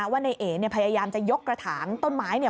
ว่านายเอกพยายามจะยกกระถางต้นไม้